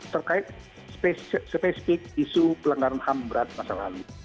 terkait spesifik isu pelanggaran ham berat masa lalu